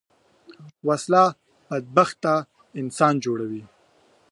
وسله بدبخته انسان جوړوي